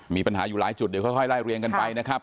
มีปัญหาอยู่หลายจุดเดี๋ยวค่อยไล่เรียงกันไปนะครับ